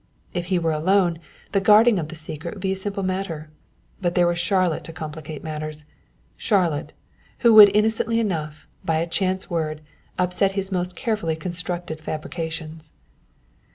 If he were alone, the guarding of the secret would be a simple matter, but there was Charlotte to complicate matters Charlotte, who would innocently enough, by a chance word, upset his most carefully constructed fabrications.